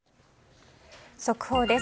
速報です。